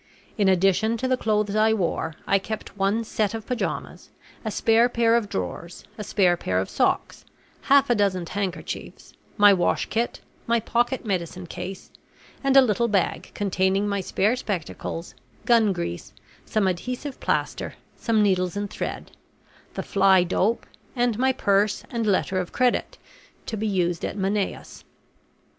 In addition to the clothes I wore, I kept one set of pajamas, a spare pair of drawers, a spare pair of socks, half a dozen handkerchiefs, my wash kit, my pocket medicine case, and a little bag containing my spare spectacles, gun grease, some adhesive plaster, some needles and thread, the "fly dope," and my purse and letter of credit, to be used at Manaos.